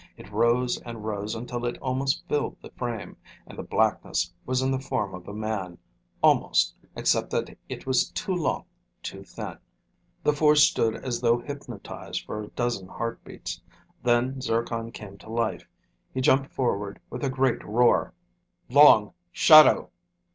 It rose and rose until it almost filled the frame, and the blackness was in the form of a man, almost, except that it was too long, too thin. The four stood as though hypnotized for a dozen heartbeats, then Zircon came to life. He jumped forward with a great roar. "Long Shadow!"